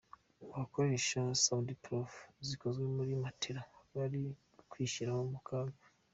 Abakoresha Sound proof zikozwe muri matela bari kwishyira mu kaga.